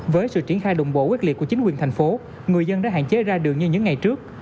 với sự triển khai đồng bộ quyết liệt của chính quyền thành phố người dân đã hạn chế ra đường như những ngày trước